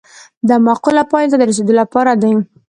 دا معقولو پایلو ته د رسیدو لپاره دی.